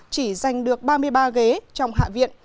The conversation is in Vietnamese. chỉ giành được ba mươi ba ghế trong hạ viện